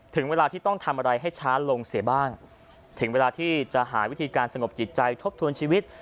ถึงเวลาที่ต้องทำอะไรให้ช้าลงเสียบ้างถึงเวลาที่จะหาวิธีการสงบจิตใจทบทวนชีวิต